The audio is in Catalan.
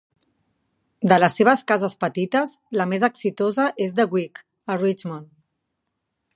De les seves cases petites, la més exitosa és The Wick, a Richmond.